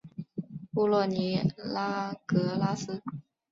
布洛尼拉格拉斯。